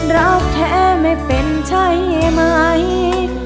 รับแค่ไม่เป็นใช่ไหม